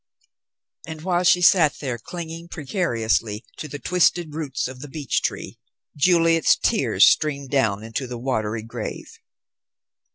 And while she sat there, clinging precariously to the twisted roots of the beech tree, Juliet's tears streamed down into the watery grave.